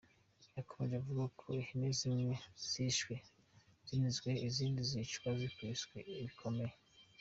Yakomeje avuga ko ihene zimwe zishwe zinizwe izindi zicwa zikubiswe bikomeye.